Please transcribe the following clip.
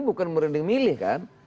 bukan berunding milih kan